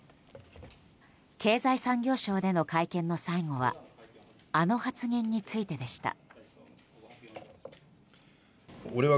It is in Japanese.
経済産業省での会見の最後はあの発言についてでした。